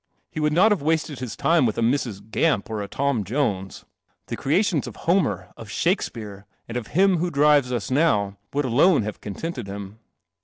He would not have wasted his time with a Mr .(. imp or a I D Jonc ■ The creation : I 1 mcr, ol Shakespeare, and of I lim who drives u now, uld alone have C ntented him.